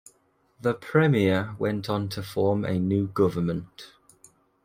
The Premier went on to form a new government.